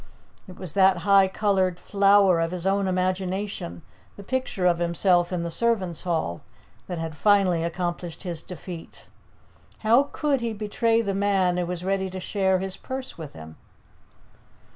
It was that high coloured flower of his own imagination, the picture of himself in the servants' hall, that had finally accomplished his defeat. How could he betray the man who was ready to share his purse with him?